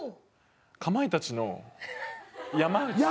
かまいたちの山内さん。